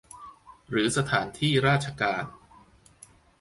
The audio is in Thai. หรือสถานที่ราชการ